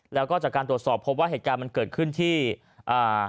แล้วก็จากการตรวจสอบพบว่าเหตุการณ์มันเกิดขึ้นที่อ่า